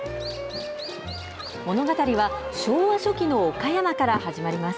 物語は昭和初期の岡山から始まります。